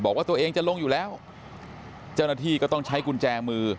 บอกว่าตัวเองจะลงอยู่แล้วเจ้าหน้าที่ก็ต้องใช้กุญแจมือ